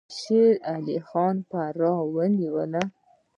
شیر علي خان فراه ونیوله.